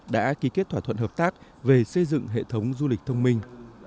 đã ký kết thỏa thuận hợp tác về xây dựng hệ thống du lịch thông minh